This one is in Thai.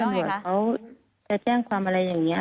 เรื่องที่ตำรวจเขาจะแจ้งความอะไรอย่างนี้